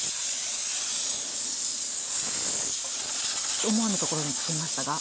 ちょっと思わぬところにツケましたが。